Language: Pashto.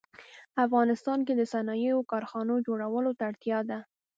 افغانستان کې د صنایعو او کارخانو جوړولو ته اړتیا ده